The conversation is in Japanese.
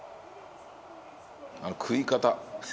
あの食い方。